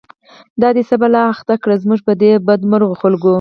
دا دی څه بلا اخته کړه، زموږ په دی بد مرغو خلکو